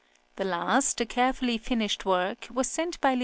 This last, a carefully finished work, was sent by L.